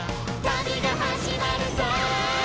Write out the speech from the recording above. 「旅が始まるぞ！」